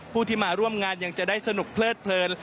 ผู้ที่มาร่วมงานยังจะได้สนุกเพลิดเพลิน